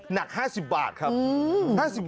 หนัก๕๐บาทครับ